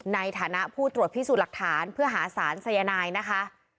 ในฐานะผู้ตรวจพิสูจน์หลักฐานเพื่อหาสารสายนายนะคะ